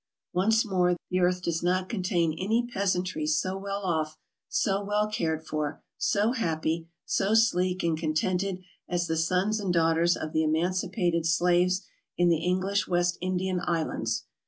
Once more, the earth does not contain any peasantry so well off, so well cared for, so happy, so sleek and contented as the sons and daughters of the emancipated slaves in the English West Indian Islands.